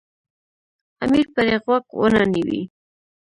امیر پرې غوږ ونه نیوی.